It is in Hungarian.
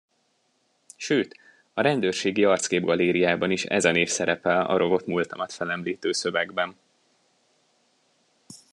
Sőt, a rendőrségi arcképgalériában is ez a név szerepel a rovott múltamat felemlítő szövegben!